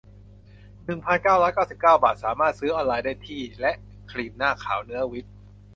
หนึ่งพันเก้าร้อยเก้าสิบเก้า บาท สามารถซื้อออนไลน์ได้ที่ และ ครีมหน้าขาวเนื้อวิป